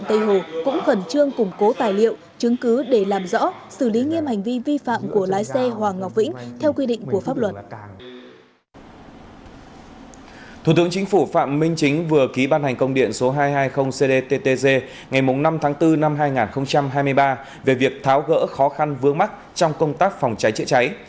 thủ tướng chính phủ phạm minh chính vừa ký ban hành công điện số hai trăm hai mươi cdttg ngày năm tháng bốn năm hai nghìn hai mươi ba về việc tháo gỡ khó khăn vướng mắt trong công tác phòng cháy chữa cháy